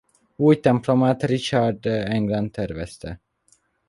Új templomát Richard England tervezte.